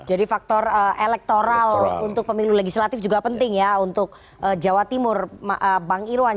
jadi faktor elektoral untuk pemilu legislatif juga penting ya untuk jawa timur bang irwan